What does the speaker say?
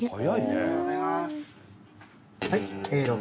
おはようございます。